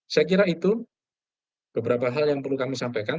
saya kira itu beberapa hal yang perlu kami sampaikan